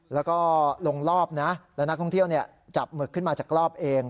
แล้วก็ลงรอบนะแล้วนักท่องเที่ยวจับหมึกขึ้นมาจากรอบเอง